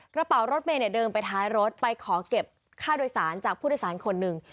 กระเป๋ารถเมย์เดินไปท้ายรถไปขอเก็บค่าโดยสารจากผู้โดยสารคนหนึ่ง